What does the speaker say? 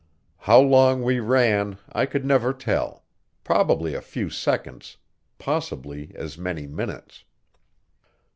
How long we ran I could never tell; probably a few seconds, possibly as many minutes.